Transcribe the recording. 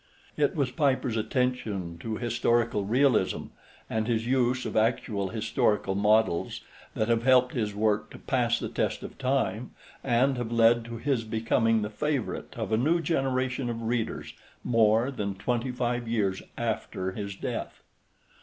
It was Piper's attention to historical realism and his use of actual historical models that have helped his work to pass the test of time and have led to his becoming the favorite of a new generation of readers more than twenty five years after his death.